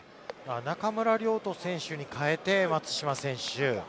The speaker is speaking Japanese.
中村亮土選手に代えて松島選手。